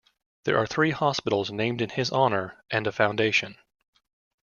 There are three hospitals named in his honor and a foundation.